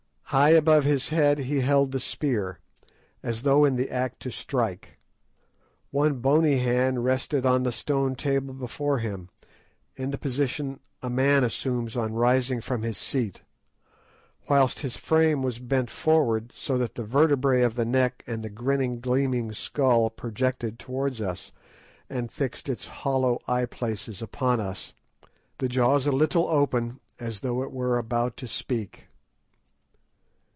High above his head he held the spear, as though in the act to strike; one bony hand rested on the stone table before him, in the position a man assumes on rising from his seat, whilst his frame was bent forward so that the vertebræ of the neck and the grinning, gleaming skull projected towards us, and fixed its hollow eye places upon us, the jaws a little open, as though it were about to speak.